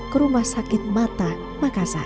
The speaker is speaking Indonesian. ke rumah sakit mata makassar